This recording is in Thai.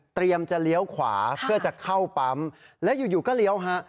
จะเลี้ยวขวาเพื่อจะเข้าปั๊มและอยู่ก็เลี้ยวฮะ